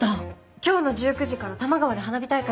今日の１９時から多摩川で花火大会がある。